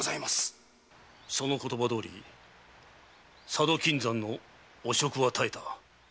その言葉どおり佐渡金山の汚職は絶えた。